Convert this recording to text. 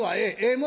ええ。